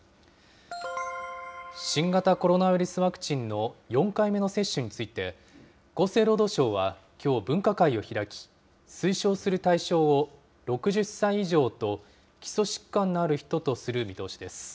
新型コロナウイルスワクチンの４回目の接種について、厚生労働省はきょう、分科会を開き、推奨する対象を６０歳以上と、基礎疾患のある人とする見通しです。